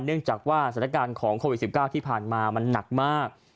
เนื่องจากว่าสถานการณ์ของโควิด๑๙ที่ผ่านมามันหนักมาก